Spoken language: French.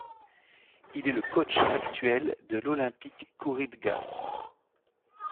Il est le coach actuel de l'Olympique Khouribga.